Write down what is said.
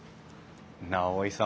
直井さん